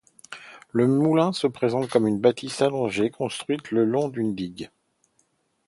Le moulin se présente comme une bâtisse allongée construite le long d'une digue.